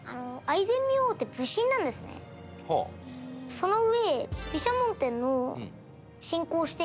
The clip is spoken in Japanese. その上。